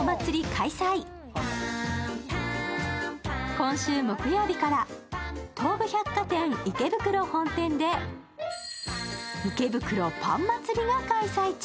今週木曜日から東武百貨店池袋本店でＩＫＥＢＵＫＵＲＯパン祭りが開催中。